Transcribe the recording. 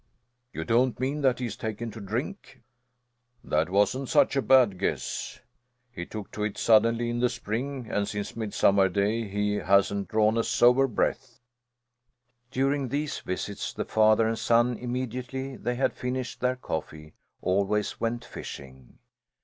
"You don't mean that he has taken to drink?" "That wasn't such a bad guess! He took to it suddenly in the spring, and since Midsummer Day he hasn't drawn a sober breath." During these visits the father and son immediately they had finished their coffee always went fishing.